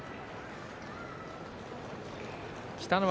北の若。